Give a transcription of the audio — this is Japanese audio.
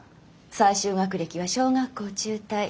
最終学歴は小学校中退。